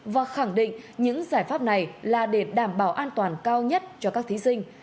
và khẳng định những giải pháp này là để đảm bảo an toàn cao nhất cho các thí sinh